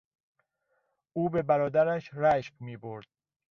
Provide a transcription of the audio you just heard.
او به برادرش رشک میبرد.